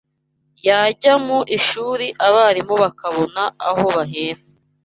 yajya mu ishuri abarimu bakabona aho bahera